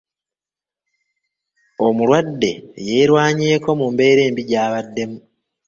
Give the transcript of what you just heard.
Omulwadde yerwanyeeko mu mbeera embi gy'abaddemu.